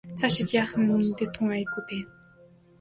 Цаашид яах нь үнэндээ тун аягүй байв.